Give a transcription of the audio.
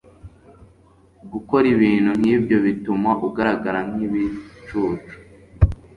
Gukora ibintu nkibyo bituma ugaragara nkibicucu.